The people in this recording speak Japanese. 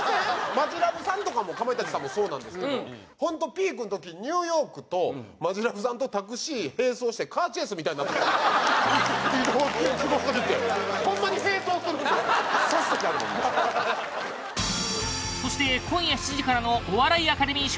マヂラブさんとかもかまいたちさんもそうなんですけどホントピークん時ニューヨークとマヂラブさんとタクシー並走してカーチェイスみたいになったことあって移動中すごすぎてホンマに並走することに差す時あるもんなそして今夜７時からのお笑いアカデミー賞